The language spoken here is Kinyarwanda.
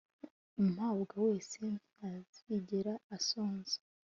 umpabwa wese ntazigera asonza